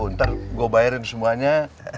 ntar gue bayarin semuanya